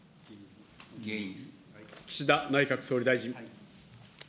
岸田内閣総理大臣。